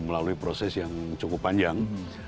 melalui proses yang cukup panjang